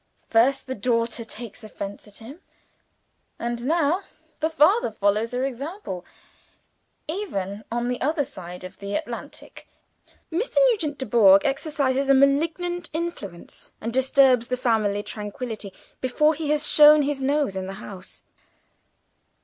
First, the daughter takes offense at him, and now the father follows her example. Even on the other side of the Atlantic, Mr. Nugent Dubourg exercises a malignant influence, and disturbs the family tranquillity before he has shown his nose in the house!"